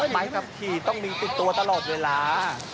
ใบขับขี่ต้องมีติดตัวตลอดเวลา